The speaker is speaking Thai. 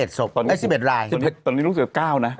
ตอนนี้ต้องเสือก๙นะ